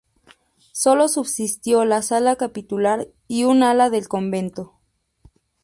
Solo subsistió la sala capitular y un ala del convento.